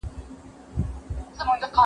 ذهنيتونه د کتاب لوستلو له لارې سم شول.